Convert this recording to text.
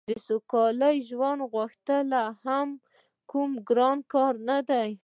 د سوکاله ژوند غوښتل هم کوم ګران کار نه دی